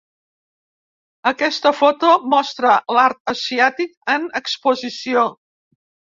Aquesta foto mostra art asiàtic en exposició.